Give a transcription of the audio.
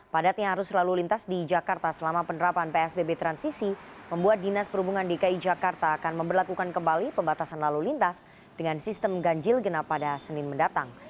padatnya arus lalu lintas di jakarta selama penerapan psbb transisi membuat dinas perhubungan dki jakarta akan memperlakukan kembali pembatasan lalu lintas dengan sistem ganjil genap pada senin mendatang